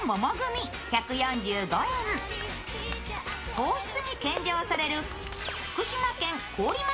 皇室に献上される福島県桑折町